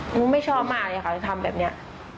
หนูไม่ชอบมากอยากจะทำแบบนี้